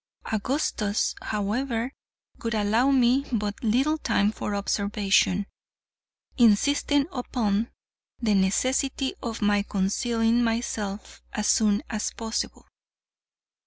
Augustus, however, would allow me but little time for observation, insisting upon the necessity of my concealing myself as soon as possible.